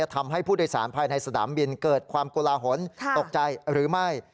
ทำให้ผู้โดยสารภายในสนามบินเกิดความโกลาหลตกใจหรือไม่